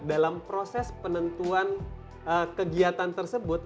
dalam proses penentuan kegiatan tersebut